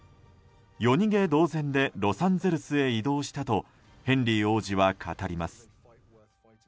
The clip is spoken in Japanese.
夜逃げ同然でロサンゼルスへ移動したとヘンリー王子は語ります。